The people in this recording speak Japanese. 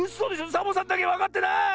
⁉サボさんだけわかってない！